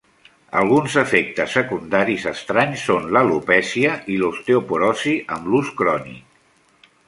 Alguns efectes secundaris estranys són l'alopècia i l'osteoporosi amb l'ús crònic.